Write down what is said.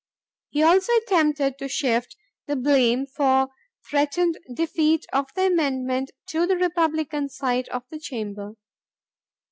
He also attempted to shift the blame for threatened defeat of the amendment to the Republican side of the chamber.